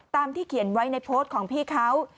ที่เขียนไว้ในโพสต์ของพี่เขา